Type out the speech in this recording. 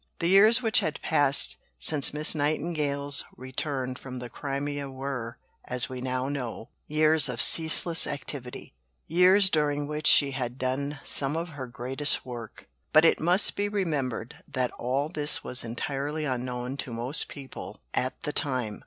The years which had passed since Miss Nightingale's return from the Crimea were, as we now know, years of ceaseless activity; years during which she had done some of her greatest work. But it must be remembered that all this was entirely unknown to most people at the time.